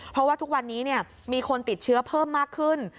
เพราะว่าทุกวันนี้มีคนติดเชื้อเพิ่มมากขึ้น